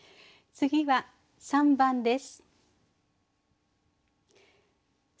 次は３番です。